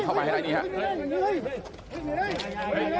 เข้าไปให้ได้นี่ครับ